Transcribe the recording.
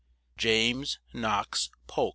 ] JAMES KNOX POLK.